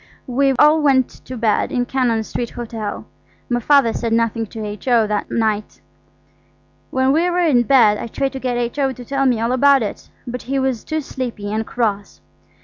We all went to bed in Cannon Street Hotel. My Father said nothing to H.O. that night. When we were in bed I tried to get H.O. to tell me all about it, but he was too sleepy and cross.